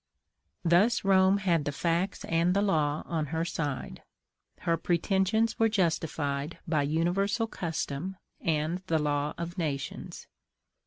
Thus Rome had the facts and the law on her side. Her pretensions were justified by universal custom and the law of nations.